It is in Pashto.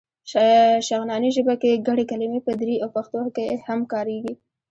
شغناني ژبه کې ګڼې کلمې په دري او پښتو کې هم کارېږي.